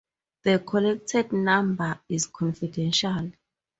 The collected number is confidential.